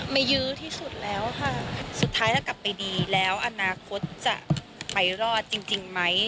ยื้อที่สุดแล้วค่ะสุดท้ายถ้ากลับไปดีแล้วอนาคตจะไปรอดจริงไหม